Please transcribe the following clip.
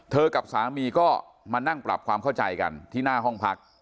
กับสามีก็มานั่งปรับความเข้าใจกันที่หน้าห้องพัก